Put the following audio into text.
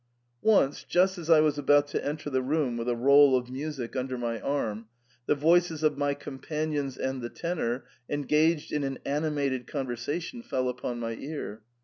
Once, just as I was about to enter the room with a roll of music under my arm, the voices of my companions and the tenor, engaged in an animated conversation, fell upon my ear.